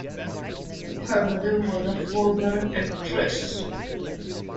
Her mother was a former actress.